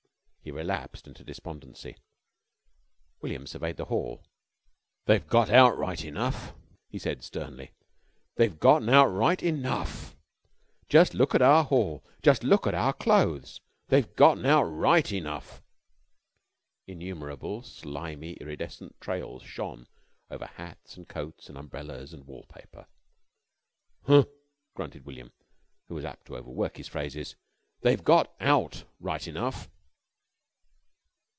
He relapsed into despondency. William surveyed the hall. "They've got out right enough!" he said, sternly. "They've got out right enough. Jus' look at our hall! Jus' look at our clothes! They've got out right enough." Innumerable slimy iridescent trails shone over hats, and coats, and umbrellas, and wall paper. "Huh!" grunted William, who was apt to overwork his phrases. "They've got out right enough."